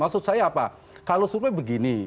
maksud saya apa kalau survei begini